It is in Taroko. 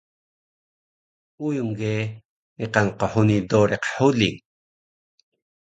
uyung ge niqan qhuni doriq huling